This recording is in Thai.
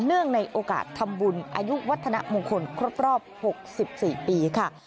เนื่องในโอกาสทำบุญอายุวัฒนมงคลครบรอบ๖๔ปีค่ะ